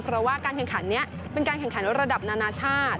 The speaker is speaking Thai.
เพราะว่าการแข่งขันนี้เป็นการแข่งขันระดับนานาชาติ